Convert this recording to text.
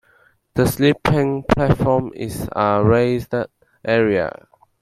The sleeping platform is a raised area.